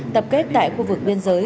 tập kết tại khu vực biên giới